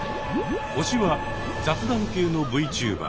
推しは雑談系のＶチューバー。